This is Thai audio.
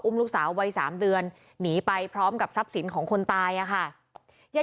อุ้มลูกสาววัย๓เดือนหนีไปพร้อมกับทรัพย์ศิลป์ของคนตาย